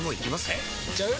えいっちゃう？